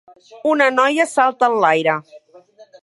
Una noia salta enlaire.